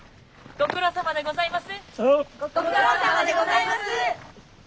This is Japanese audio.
ご苦労さまでございます。